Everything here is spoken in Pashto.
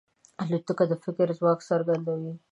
الوتکه د فکر ځواک څرګندوي.